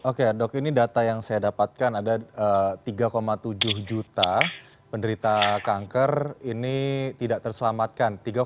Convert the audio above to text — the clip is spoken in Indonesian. oke dok ini data yang saya dapatkan ada tiga tujuh juta penderita kanker ini tidak terselamatkan